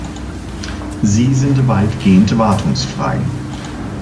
Sie sind weitgehend wartungsfrei.